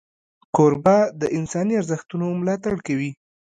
کوربه د انساني ارزښتونو ملاتړ کوي.